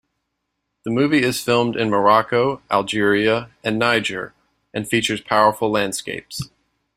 The movie is filmed in Morocco, Algeria, and Niger and features powerful landscapes.